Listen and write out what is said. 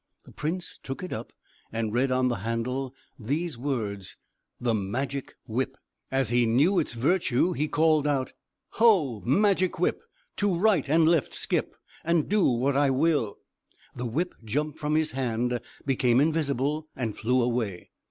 The prince took it up, and read on the handle these words: "The Magic Whip." As he knew its virtue, he called out: "Ho! Magical Whip! To right and left skip! And do what I will!" The whip jumped from his hand, became invisible, and flew away.